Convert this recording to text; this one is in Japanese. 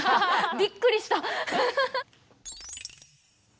びっくりした。